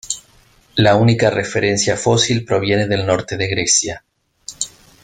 La única referencia fósil proviene del norte de Grecia